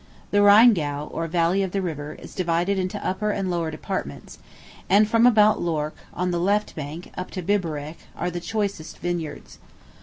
The Rheingau, or valley of the river, is divided into upper and lower departments; and from about Lorch, on the left bank, up to Biberich, are the choicest vineyards.